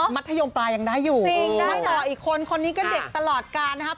หรอจริงได้นะมาต่ออีกคนคนนี้ก็เด็กตลอดการนะครับ